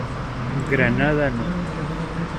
Granada No.